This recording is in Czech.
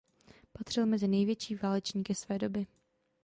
Patřil mezi největší válečníky své doby.